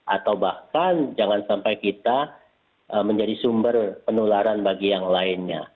atau bahkan jangan sampai kita menjadi sumber penularan bagi yang lainnya